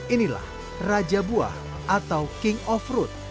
inilah raja buah atau king of fruit